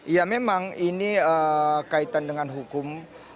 ya memang ini kaitan dengan hukum